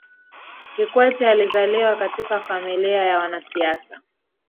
kikwete alizaliwa katika familia ya wanasiasa